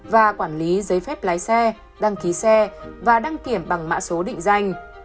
và quản lý giấy phép lái xe đăng ký xe và đăng kiểm bằng mã số định danh